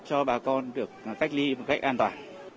cho bà con được cách ly một cách an toàn